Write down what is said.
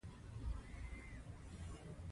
او شرایط ټاکل، د پور ترلاسه کول،